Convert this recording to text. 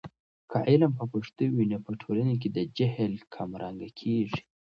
که علم په پښتو وي، نو په ټولنه کې د جهل کمرنګه کیږي.